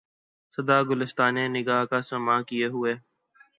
صد گلستاں نِگاه کا ساماں کئے ہوے